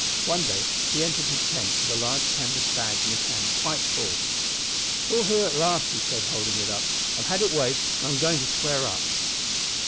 One day he entered his tent with a large canvas bag in his hand quite full. "It's all here at last," he said, holding it up. "I've had it weighed, and I'm going to square up."